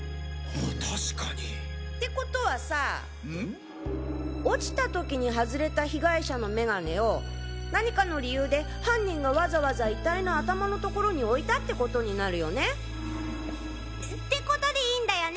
確かに。って事はさ落ちた時に外れた被害者の眼鏡を何かの理由で犯人がわざわざ遺体の頭のところに置いたって事になるよね。って事でいいんだよね？